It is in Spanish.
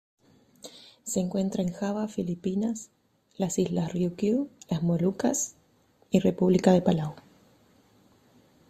Se encuentra en Java, Filipinas, las islas Ryukyu, las Molucas y República de Palau.